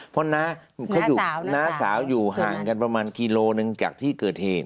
เพราะน้าสาวอยู่ห่างกันประมาณกิโลนึงจากที่เกิดเหตุ